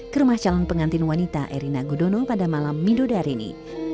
ke rumah calon pengantin wanita erina gudono pada malam mido dari ini